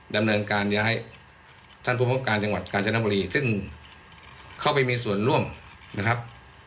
ดำเนินการย้ายท่านผู้พบการจังหวัดกาญจนบุรีซึ่งเข้าไปมีส่วนร่วมนะครับ